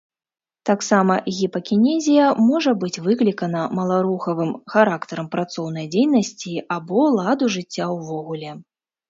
Таксама гіпакінезія можа быць выклікана маларухавым характарам працоўнай дзейнасці або ладу жыцця ўвогуле.